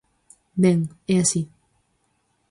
Ben, é así.